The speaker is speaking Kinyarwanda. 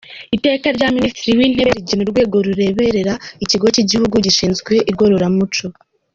Iteka rya Minisitiri w’Intebe rigena Urwego Rureberera Ikigo cy’Igihugu gishinzwe Igororamuco;.